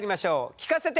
聞かせて！